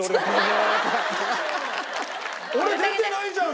俺出てないじゃん